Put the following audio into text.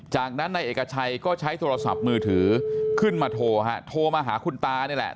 จากนั้นนายเอกชัยก็ใช้โทรศัพท์มือถือขึ้นมาโทรฮะโทรมาหาคุณตานี่แหละ